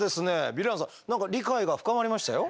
ヴィランさん理解が深まりましたよ。